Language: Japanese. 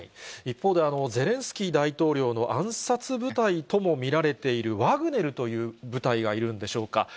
一方で、ゼレンスキー大統領の暗殺部隊とも見られているワグネルという部隊がいるんでしょうか。